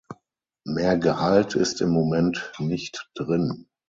Mehr Gehalt ist im Moment nicht drin.